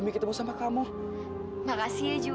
bang ini tempatmu gak